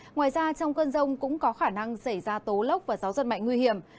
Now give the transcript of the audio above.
ngoài ra trong cơn rông cũng có khả năng xảy ra tố lốc và gió giật mạnh nguy hiểm